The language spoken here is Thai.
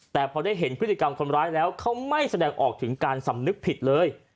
แต่พอได้เห็นพฤติกรรมคนร้ายแล้วเขาไม่แสดงออกถึงการสำนึกผิดเลย